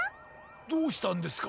どうしたんですか？